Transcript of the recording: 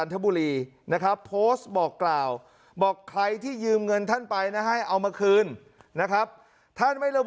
ไม่คะโอ้เลขข้างหน้าสี่หมื่นสี่หมื่นกว่าใช่เก้า